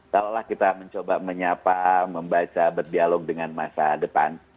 taulah kita mencoba menyapa membaca berdialog dengan masa depan